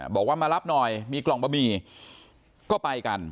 บอกว่ามารับหน่อยมีกล่องบะหมี่ก็ไปกัน